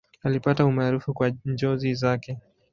Alipata umaarufu kwa njozi zake.